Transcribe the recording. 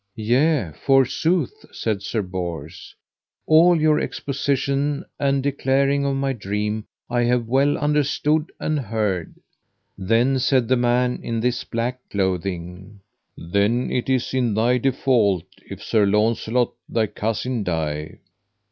Yea forsooth, said Sir Bors, all your exposition and declaring of my dream I have well understood and heard. Then said the man in this black clothing: Then is it in thy default if Sir Launcelot, thy cousin, die.